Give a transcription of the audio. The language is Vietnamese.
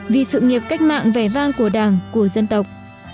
vì sự nghiệp cách mạng vẻ vang của đảng của dân tộc